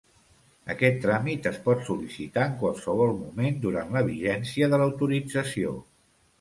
Aquest tràmit es pot sol·licitar en qualsevol moment durant la vigència de l'autorització.